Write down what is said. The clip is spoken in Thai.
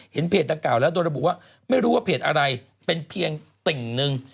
เพจดังกล่าวแล้วโดยระบุว่าไม่รู้ว่าเพจอะไรเป็นเพียงติ่งหนึ่ง